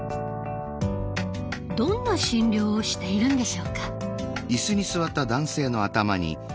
どんな診療をしているんでしょうか？